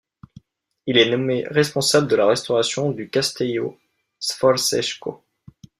Il est nommé responsable de la restauration du Castello Sforzesco.